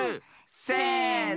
せの！